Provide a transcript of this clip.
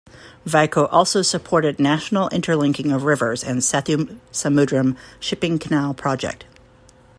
Vaiko also supported national interlinking of rivers and Sethusamudram Shipping Canal Project.